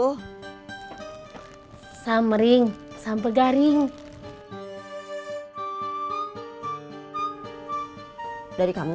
hai sammering sampai garing dari kamu